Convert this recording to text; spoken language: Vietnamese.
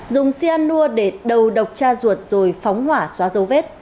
dùng xe ăn nua để đầu độc cha ruột rồi phóng hỏa xóa dấu vết